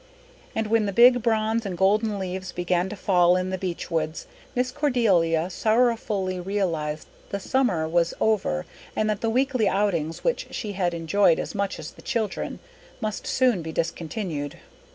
But when the big bronze and golden leaves began to fall in the beech woods, Miss Cordelia sorrowfully realized that the summer was over and that the weekly outings which she had enjoyed as much as the children must soon be discontinued.